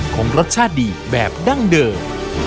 ของรสชาติดีแบบดั้งเดิม